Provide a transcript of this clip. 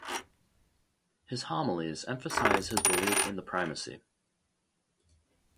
His homilies emphasize his belief in the primacy.